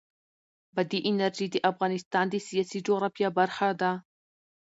بادي انرژي د افغانستان د سیاسي جغرافیه برخه ده.